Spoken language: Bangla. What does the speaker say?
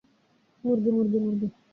মুরগি, মুরগি, মুরগি!